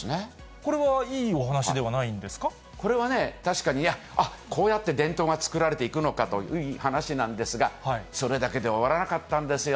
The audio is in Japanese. これはいいお話ではないんでこれはね、確かに、あっ、こうやって伝統が作られていくのかという話なんですが、それだけでは終わらなかったんですよ。